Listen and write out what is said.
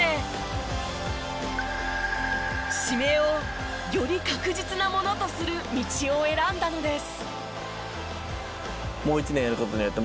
指名をより確実なものとする道を選んだのです。